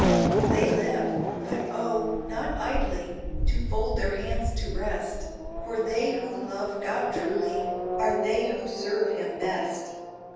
They live! but O, not idly, To fold their hands to rest, For they who love God truly, Are they who serve him best.